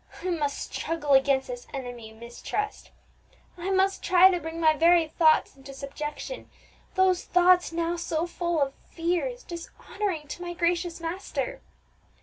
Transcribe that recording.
I must struggle against this enemy, mistrust; I must try to bring my very thoughts into subjection, those thoughts now so full of fears dishonouring to my gracious Master.